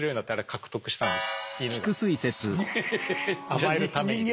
甘えるために。